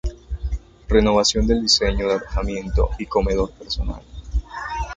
Renovación del diseño de Alojamientos y Comedor Personal.